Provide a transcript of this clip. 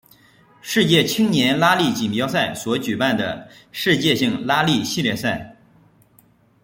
世界青年拉力锦标赛所举办的世界性拉力系列赛。